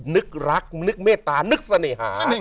นึกรักนึกเมตตานึกเสน่หา